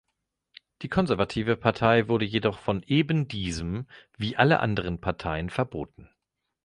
Die Konservative Partei wurde jedoch von ebendiesem wie alle andere Parteien verboten.